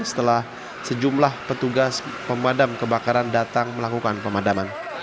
setelah sejumlah petugas pemadam kebakaran datang melakukan pemadaman